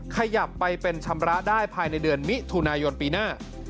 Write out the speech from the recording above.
ขยับไปเป็นชำระได้ภายในเดือนมิถุนายนปีหน้า